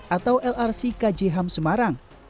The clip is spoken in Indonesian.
atau lrc kj ham semarang